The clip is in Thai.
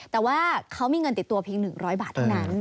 แต่ว่าเขามีเงินติดตัวเพียง๑๐๐บาทเท่านั้น